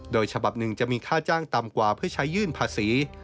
โดยฉบับหนึ่งจะมีค่าจ้างต่ำกว่าเพื่อใช้ยื่นภาษี